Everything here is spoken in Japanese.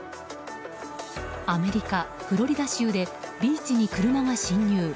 アメリカ・フロリダ州でビーチに車が進入。